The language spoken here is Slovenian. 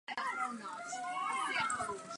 Zdravo! Lepo te je videti!